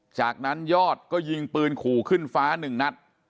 จากนั้นยอดก็ยิงปืนขู่ขึ้นฟ้าหนึ่งนัด